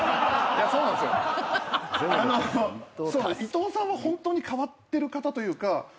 伊藤さんは本当に変わってる方というか。